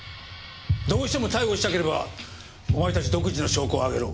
どうしても逮捕したければお前たち独自の証拠を挙げろ。